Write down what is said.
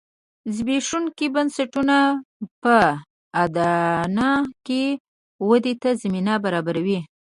د زبېښونکو بنسټونو په اډانه کې ودې ته زمینه برابروي